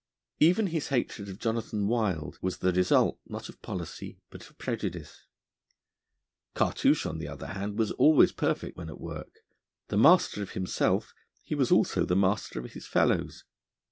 Even his hatred of Jonathan Wild was the result not of policy but of prejudice. Cartouche, on the other hand, was always perfect when at work. The master of himself, he was also the master of his fellows.